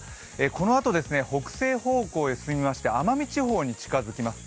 このあと北西方向へ進みまして、奄美地方に近づきます。